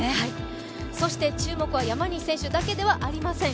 そして、注目は山西選手だけではありません。